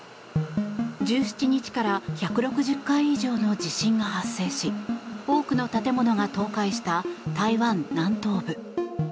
１７日から１６０回以上の地震が発生し多くの建物が倒壊した台湾南東部。